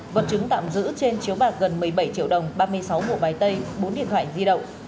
vật chứng tạm giữ trên chiếu bạc gần một mươi bảy triệu đồng ba mươi sáu bộ bài tay bốn điện thoại di động